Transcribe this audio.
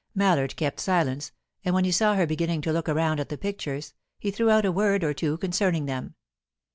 Mallard kept silence, and when he saw her beginning to look around at the pictures, he threw out a word or two concerning them.